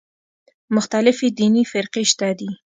مختلفې دیني فرقې شته دي.